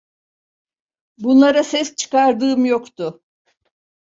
Bunlara ses çıkardığım yoktu.